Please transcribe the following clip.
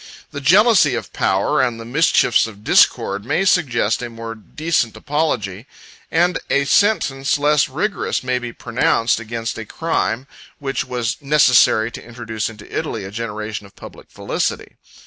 The jealousy of power, and the mischiefs of discord, may suggest a more decent apology, and a sentence less rigorous may be pronounced against a crime which was necessary to introduce into Italy a generation of public felicity.